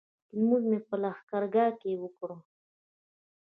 لمونځ مو په لښکرګاه کې وکړ.